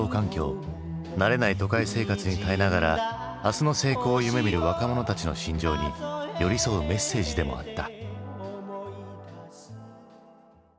慣れない都会生活に耐えながら明日の成功を夢みる若者たちの心情に寄り添うメッセージでもあった。